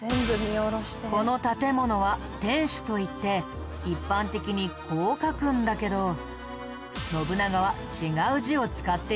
この建物は天守といって一般的にこう書くんだけど信長は違う字を使っていたんだ。